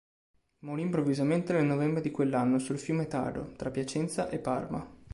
Morì improvvisamente nel novembre di quell'anno sul fiume Taro, tra Piacenza e Parma.